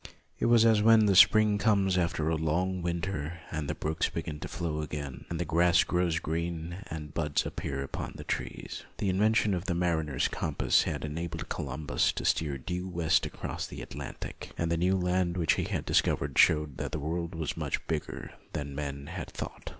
It was as when the spring comes after a long winter, and the brooks begin to flow again, and the grass grows green, and buds appear upon the trees. The invention of the mariner's compass had enabled Columbus to steer due west across the Atlantic, and the new land which he had discovered showed that the world was much bigger than men had thought.